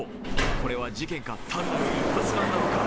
これは事件か、単なるいたずらなのか。